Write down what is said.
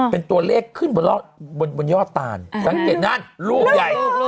เป็นตัวเลขขึ้นบนบนยอดตานสังเกตนั่นลูกใหญ่